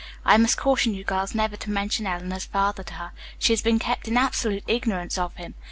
I must caution you, girls, never to mention Eleanor's father to her. She has been kept in absolute ignorance of him.